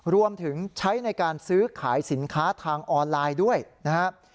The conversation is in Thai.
รวมถึงใช้ในการซื้อขายสินค้าทางออนไลน์ด้วยนะครับ